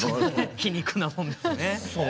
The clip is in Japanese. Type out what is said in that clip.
皮肉なもんですね。